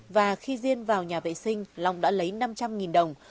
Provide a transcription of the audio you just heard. và khi riêng vào nhà vệ sinh long đã lấy năm trăm linh đồng